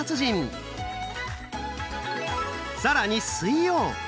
更に水曜！